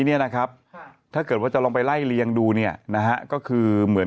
เนี่ยนะครับถ้าเกิดว่าจะลองไปไล่เลียงดูเนี่ยนะฮะก็คือเหมือน